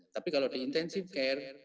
tapi kalau di intensive care